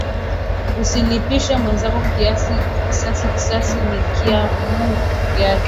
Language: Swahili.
Usilipishe mwenzako kisasi kisasi ni kya Mungu pekeyake